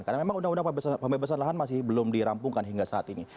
karena memang undang undang pembebasan lahan masih belum dirampungkan hingga saat ini